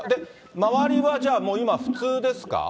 周りはじゃあ、今は普通ですか？